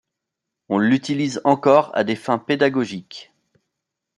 On l'utilise encore à des fins pédagogiques.